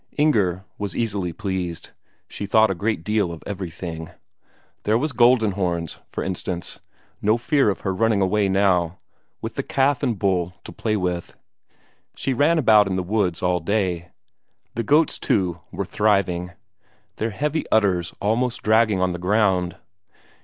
Inger was easily pleased; she thought a great deal of everything. There was Goldenhorns, for instance, no fear of her running away now, with the calf and bull to play with; she ran about in the woods all day long. The goats too were thriving, their heavy udders almost dragging on the ground.